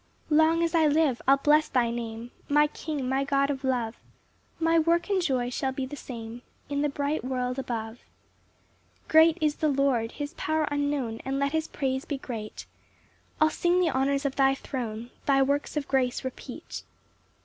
1 Long as I live I'll bless thy Name, My King, my God of love; My work and joy shall be the same In the bright world above. 2 Great is the Lord, his power unknown, And let his praise be great: I'll sing the honours of thy throne, Thy works of grace repeat.